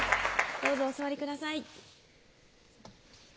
どうぞお座りください